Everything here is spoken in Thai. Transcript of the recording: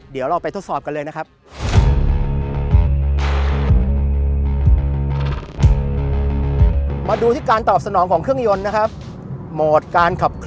เดี๋ยวเราไปทดสอบกันเลยนะครับ